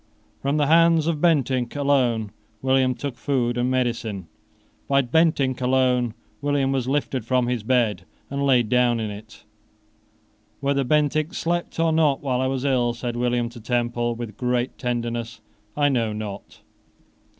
From the hands of Bentinck alone William took food and medicine. By Bentinck alone William was lifted from his bed and laid down in it. "Whether Bentinck slept or not while I was ill," said William to Temple, with great tenderness, "I know not.